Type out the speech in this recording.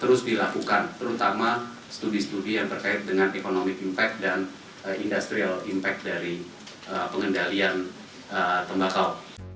terus dilakukan terutama studi studi yang terkait dengan economic impact dan industrial impact dari pengendalian tembakau